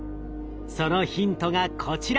そのヒントがこちら！